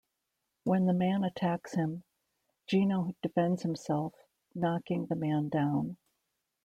When the man attacks him, Gino defends himself, knocking the man down.